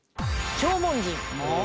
「縄文人」。